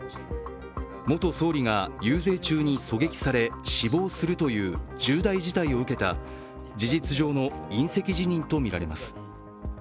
元総理が遊説中に狙撃され、死亡するという重大事態を受けた事実上の引責辞任とみられます。